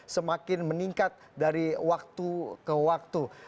semakin meningkat dari waktu ke waktu